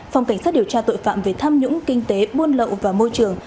phòng cảnh sát điều tra tội phạm về tham nhũng kinh tế buôn lậu và môi trường